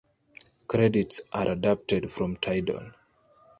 Credits are adapted from Tidal.